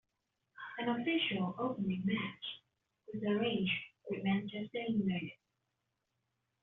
An official opening match was arranged with Manchester United.